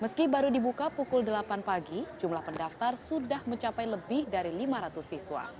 meski baru dibuka pukul delapan pagi jumlah pendaftar sudah mencapai lebih dari lima ratus siswa